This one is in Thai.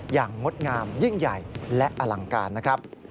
งดงามยิ่งใหญ่และอลังการนะครับ